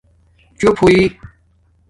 چُپ ہوئئ